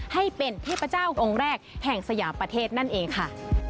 ให้เป็นเทพเจ้าองค์แรกแห่งสยามประเทศนั่นเองค่ะ